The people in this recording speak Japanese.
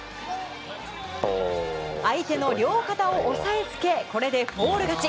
相手の両肩を押さえつけこれでフォール勝ち。